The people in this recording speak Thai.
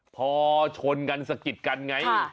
พอชนกันสะกิดกันไง